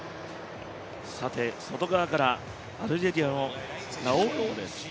外側からアルジェリアのラオウロウです。